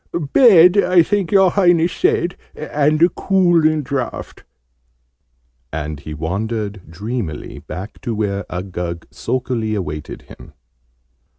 "Bed, I think your Highness said, and a cooling draught?" And he wandered dreamily back to where Uggug sulkily awaited him.